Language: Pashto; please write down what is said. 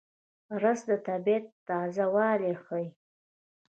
رس د طبیعت تازهوالی ښيي